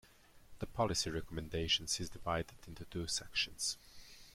The policy recommendations is divided into two sections.